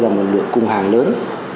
ra một lượng cung hàng lớn